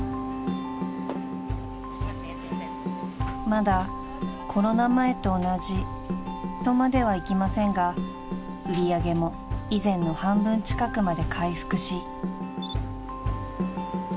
［まだコロナ前と同じとまではいきませんが売り上げも以前の半分近くまで回復し］